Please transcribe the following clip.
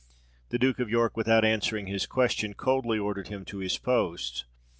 The Duke of York, without answering his question, coldly ordered him to his post.